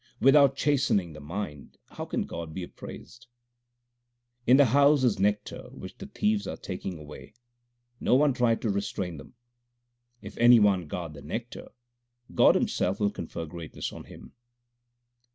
Without chastening the mind how can God be appraised ? In the house is nectar which the thieves are taking away : 1 No one tried to restrain them. If any one guard the nectar, God Himself will confer greatness on him.